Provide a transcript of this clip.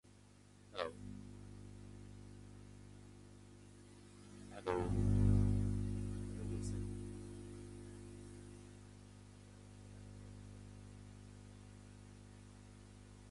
Tallmadge lies within two counties.